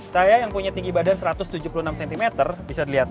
saya yang punya tinggi badan satu ratus tujuh puluh enam cm bisa dilihat